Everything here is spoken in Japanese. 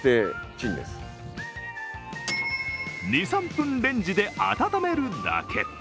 ２３分レンジで温めるだけ。